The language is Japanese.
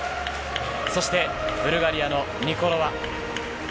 そして、ブルガリアのニコロワ。